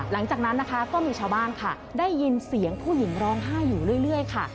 หลังจากนั้นนะคะก็มีชาวบ้านค่ะได้ยินเสียงผู้หญิงร้องไห้อยู่เรื่อยค่ะ